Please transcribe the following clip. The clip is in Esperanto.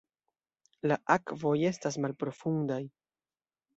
La akvoj estas malprofundaj.